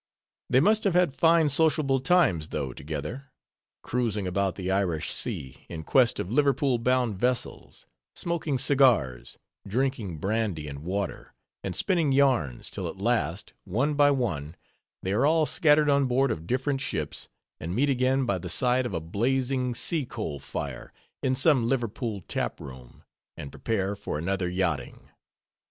They must have had fine sociable times, though, together; cruising about the Irish Sea in quest of Liverpool bound vessels; smoking cigars, drinking brandy and water, and spinning yarns; till at last, one by one, they are all scattered on board of different ships, and meet again by the side of a blazing sea coal fire in some Liverpool taproom, and prepare for another yachting.